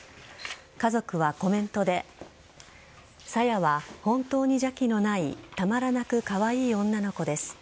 家族はコメントでさやは本当に邪気のないたまらなくかわいい女の子です。